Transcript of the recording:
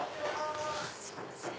すいません。